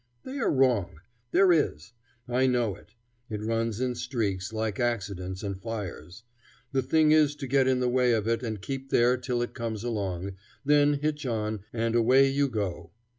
They are wrong. There is; I know it. It runs in streaks, like accidents and fires. The thing is to get in the way of it and keep there till it comes along, then hitch on, and away you go.